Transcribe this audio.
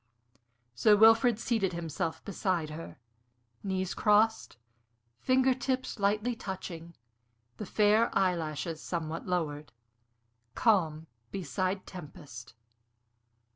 Sir Wilfrid seated himself beside her, knees crossed, finger tips lightly touching, the fair eyelashes somewhat lowered Calm beside Tempest.